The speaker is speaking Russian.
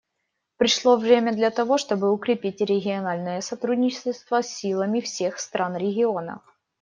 Пришло время для того, чтобы укрепить региональное сотрудничество силами всех стран региона.